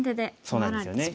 そうなんですよね。